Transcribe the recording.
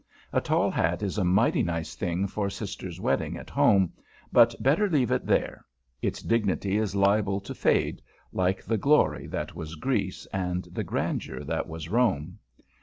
A tall hat is a mighty nice thing for Sister's wedding at home; but better leave it there. Its dignity is liable to fade, like the glory that was Greece and the grandeur that was Rome.